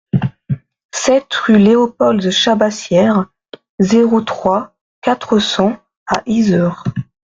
sept rue Léopold Chabassière, zéro trois, quatre cents à Yzeure